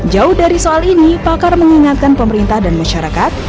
jauh dari soal ini pakar mengingatkan pemerintah dan masyarakat